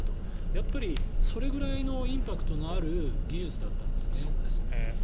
やっぱりそれぐらいのインパクトのある技術だったんですね。